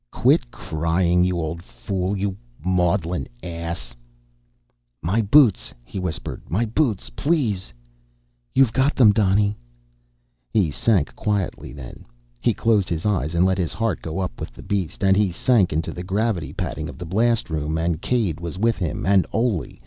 Quit crying, you old fool, you maudlin ass ... "My boots," he whispered, "my boots ... please ..." "You've got them on, Donny." He sank quietly then. He closed his eyes and let his heart go up with the beast, and he sank into the gravity padding of the blastroom, and Caid was with him, and Oley.